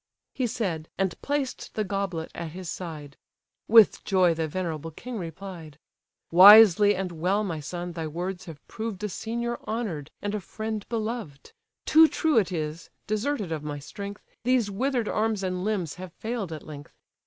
He said, and placed the goblet at his side; With joy the venerable king replied: "Wisely and well, my son, thy words have proved A senior honour'd, and a friend beloved! Too true it is, deserted of my strength, These wither'd arms and limbs have fail'd at length.